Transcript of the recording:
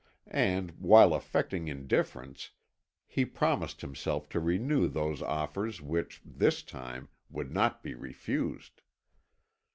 And, while affecting indifference, he promised himself to renew those offers which, this time, would not be refused.